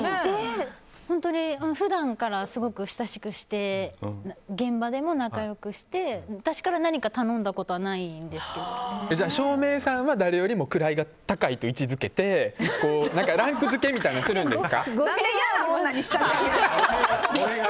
本当に、普段からすごく親しくて現場でも仲良くして私から何か頼んだことはじゃあ照明さんは誰よりも位が高いと位置付けてランク付けみたいなの語弊がある！